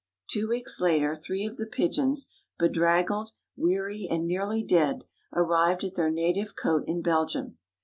Two weeks later three of the pigeons, bedraggled, weary and nearly dead, arrived at their native cote in Belgium.